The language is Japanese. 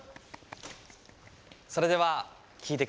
それでは聴いてください。